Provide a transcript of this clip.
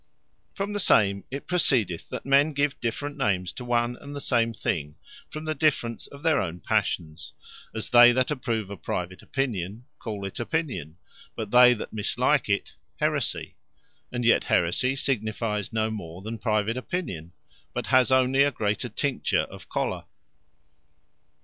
From the same it proceedeth, that men give different names, to one and the same thing, from the difference of their own passions: As they that approve a private opinion, call it Opinion; but they that mislike it, Haeresie: and yet haeresie signifies no more than private opinion; but has onely a greater tincture of choler.